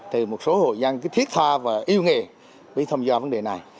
thì một số hội dân cứ thiết tha và yêu nghề bị thông do vấn đề này